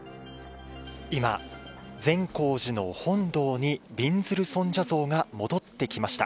今、善光寺の本堂にびんずる尊者像が戻ってきました。